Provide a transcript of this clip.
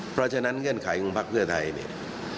เพราะฉะนั้นเงื่อนไขของพักเพื่อไทยเนี่ย